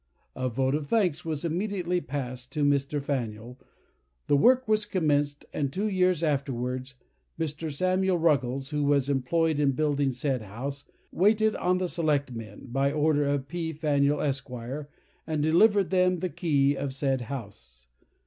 A vote of thanks was immediately passed to Mr. Faneuil, the work was commenced, and two years afterwards, "Mr. Samuel Ruggles, who was employed in building said house, waited on the select men, by order of P. Faneuil, Esq., and delivered them the key of said house."